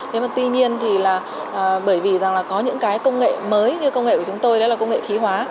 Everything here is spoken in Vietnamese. thế mà tuy nhiên thì là bởi vì rằng là có những cái công nghệ mới như công nghệ của chúng tôi đấy là công nghệ khí hóa